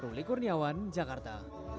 ruli kurniawan jakarta